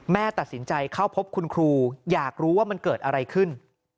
ตัดสินใจเข้าพบคุณครูอยากรู้ว่ามันเกิดอะไรขึ้น